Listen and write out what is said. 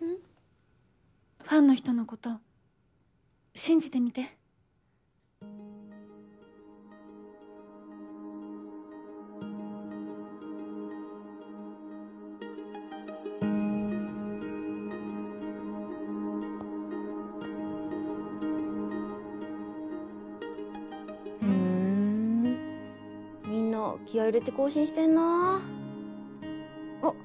ファンの人のこと信じてみてふんみんな気合い入れて更新してんなぁあっ